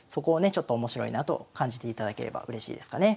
ちょっと面白いなと感じていただければうれしいですかね。